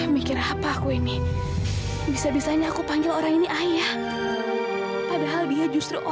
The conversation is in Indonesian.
maafin aku man aku tuh